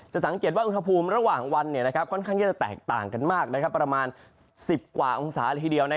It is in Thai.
สังเกตว่าอุณหภูมิระหว่างวันค่อนข้างที่จะแตกต่างกันมากประมาณ๑๐กว่าองศาทีเดียว